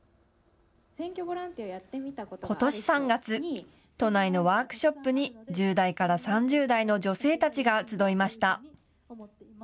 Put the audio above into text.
ことし３月、都内のワークショップに１０代から３０代の女性たちが集いました。